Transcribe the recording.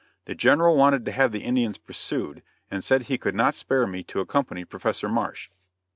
The General wanted to have the Indians pursued, and said he could not spare me to accompany Professor Marsh.